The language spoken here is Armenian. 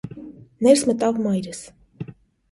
Ներս մտավ մայրս: